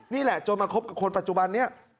นี่แหละจนมาคบกับคนปัจจุบันนี้